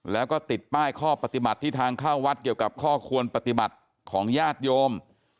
แล้วก็ติดป้ายข้อปฏิบัติที่ทางเข้าวัดเกี่ยวกับข้อควรปฏิบัติของญาติโยม